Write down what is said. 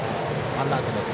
ワンアウトです。